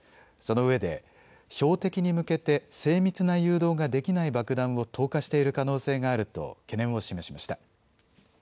そのうえで標的に向けて精密な誘導ができない爆弾を投下している可能性があると懸念を示しました。